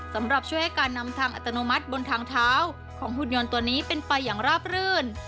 สำหรับช่วยให้การนำทางอัตโนมัติบนทางเท้าของหุ่นยนต์ตัวนี้เป็นไปอย่างราบรื่น